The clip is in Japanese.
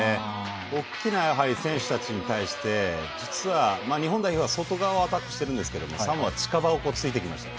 大きな選手たちに対して実は日本代表は外側にアタックしているんですがサモアは近場を突いてきました。